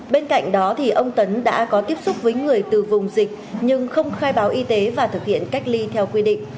bên cạnh đó ông tấn đã có tiếp xúc với người từ vùng dịch nhưng không khai báo y tế và thực hiện cách ly theo quy định